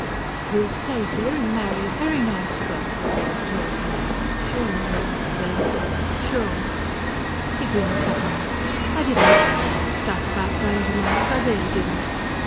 "You'll stay here and marry a very nice girl," Leela told him. "Sure I will," Billy said. "Sure." He grinned suddenly. "I didn't mean any of that stuff about going to Mars. I really didn't."